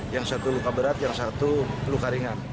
yang satu luka berat yang satu luka ringan